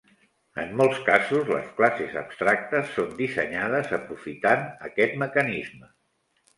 En molts casos, les classes abstractes són dissenyades aprofitant aquest mecanisme.